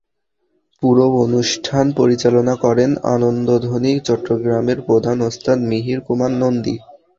পুরো অনুষ্ঠান পরিচালনা করেন আনন্দধ্বনি চট্টগ্রামের প্রধান ওস্তাদ মিহির কুমার নন্দী।